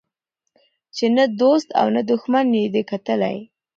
چي نه دو ست او نه دښمن یې دی کتلی